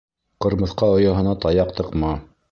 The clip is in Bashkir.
Ҡырмыҫҡа ояһына таяҡ тыҡма.